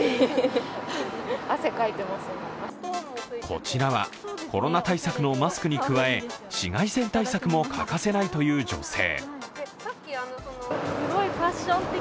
こちらはコロナ対策のマスクに加え、紫外線対策も欠かせないという女性。